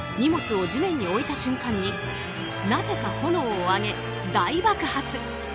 荷物を地面に置いた瞬間になぜか炎を上げ大爆発。